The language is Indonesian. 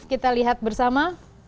kita lihat bersama